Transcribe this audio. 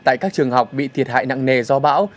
tại các trường học bị thiệt hại nặng nề do bão